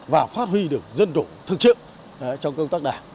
và phát huy được dân chủ thực sự trong công tác đảng